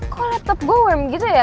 kok laptop gue worm gitu ya